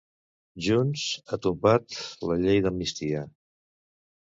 Junts ha tombat la llei d'Amnistia.